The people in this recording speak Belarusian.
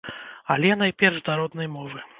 Але, найперш, да роднай мовы.